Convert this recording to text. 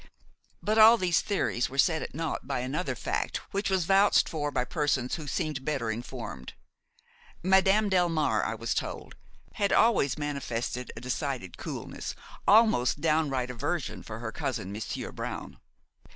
But all these theories were set at naught by another fact which was vouched for by persons who seemed better informed: Madame Delmare, I was told, had always manifested a decided coolness, almost downright aversion for her cousin Monsieur Brown.